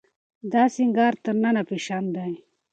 دا سينګار تر ننه فېشن دی.